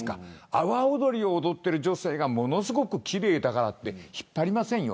阿波踊りを踊ってる女性がものすごく奇麗だからって引っ張りませんよ。